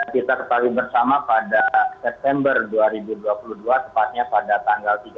kita ketahui bersama pada september dua ribu dua puluh dua tepatnya pada tanggal tiga puluh